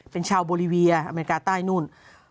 เป็นชาวโบรีเวียอเมริกาใต้นู่น